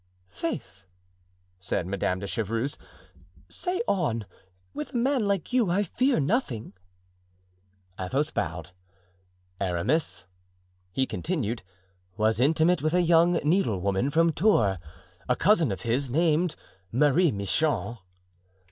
"Faith!" said Madame de Chevreuse, "say on. With a man like you I fear nothing." Athos bowed. "Aramis," he continued, "was intimate with a young needlewoman from Tours, a cousin of his, named Marie Michon."